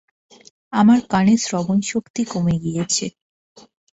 আমার কানের শ্রবণ শক্তি কমে গিয়েছে।